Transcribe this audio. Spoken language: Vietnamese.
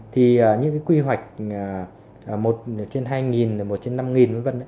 thì những cái quy hoạch trên hai một trên năm v v